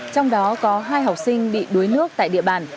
trong đó có hai học sinh bị đuối nước tại địa bàn